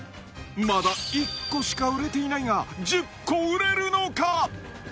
まだ１個しか売れていないが、１０個売れるのか？